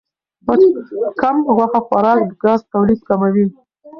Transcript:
کم غوښه خوراک د ګاز تولید کموي.